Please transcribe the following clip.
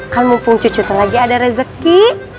kan mumpung cucu terlagi ada rezeki